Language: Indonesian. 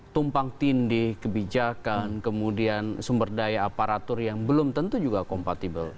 tumpang tindih kebijakan kemudian sumber daya aparatur yang belum tentu juga kompatibel